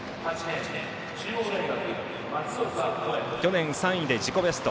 去年３位で自己ベスト。